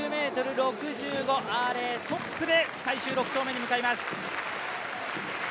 １９ｍ６５、アーレイ、トップで最終、６投目に向かいます。